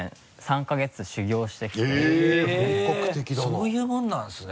そういうものなんですね。